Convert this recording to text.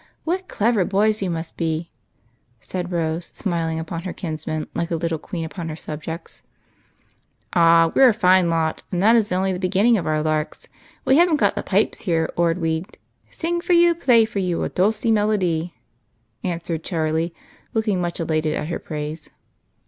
What clever boys you must be !" said Rose, smiling upon her kinsmen like a little queen upon her subjects. "Ah, we're a fine lot, and that is only the begin 16 EIGHT COUSINS. ning of our larks. We haven't got the pipes here or we 'd ' Sing for you, play for you A dulcy melody.' " answered Charlie, looking much elated at her praise.